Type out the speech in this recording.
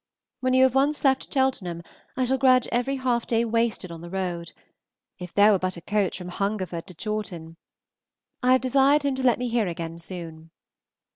When you have once left Cheltenham, I shall grudge every half day wasted on the road. If there were but a coach from Hungerford to Chawton! I have desired him to let me hear again soon.